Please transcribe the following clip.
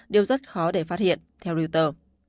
điều rất khó để phát hiện theo reuters